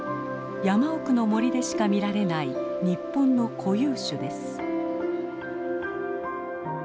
山奥の森でしか見られない日本の固有種です。